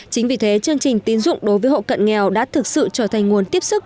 chính vì thế chương trình tín dụng đối với hộ cận nghèo đã thực sự trở thành nguồn tiếp sức